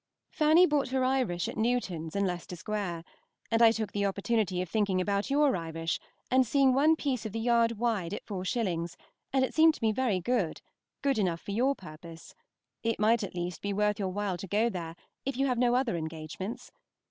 Fanny bought her Irish at Newton's in Leicester Square, and I took the opportunity of thinking about your Irish, and seeing one piece of the yard wide at 4_s._, and it seemed to me very good; good enough for your purpose. It might at least be worth your while to go there, if you have no other engagements.